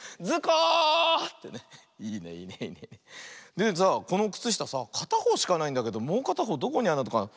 でさあこのくつしたさあかたほうしかないんだけどもうかたほうどこにあるのかな。